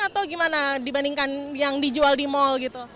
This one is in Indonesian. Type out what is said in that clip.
atau gimana dibandingkan yang dijual di mall gitu